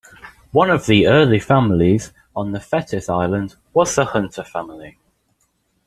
One of the early families on Thetis Island was the Hunter family.